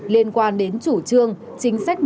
liên quan đến chủ trương chính sách